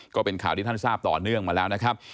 ก็เป็นข่าวที่ท่านทราบต่อเนื่องมาแล้วนะครับ